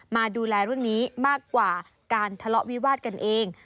มาดูแลเรื่องนี้มากกว่าการทะเลาะวิวาดกันเอง